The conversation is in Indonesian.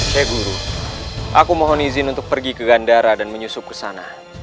saya guru aku mohon izin untuk pergi ke gandara dan menyusup ke sana